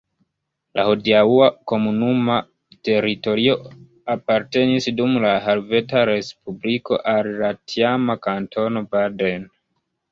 La hodiaŭa komunuma teritorio apartenis dum la Helveta Respubliko al la tiama Kantono Baden.